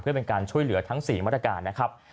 เพื่อเป็นการช่วยเหลือทั้ง๔มาตรการนะครับ